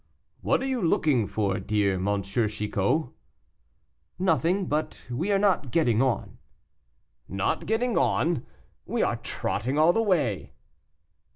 "What are you looking for, dear M. Chicot?" "Nothing; but we are not getting on." "Not getting on! we are trotting all the way."